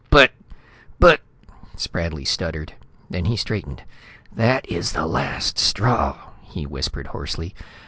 "But but " Spradley stuttered. Then he straightened. "That is the last straw," he whispered hoarsely.